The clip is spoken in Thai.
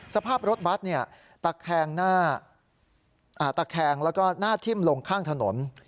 สภาพรถบัสตะแคงหน้าทิ้มลงข้างถนน